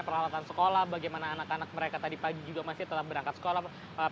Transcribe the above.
peralatan sekolah bagaimana anak anak mereka tadi pagi juga masih telah berangkat sekolah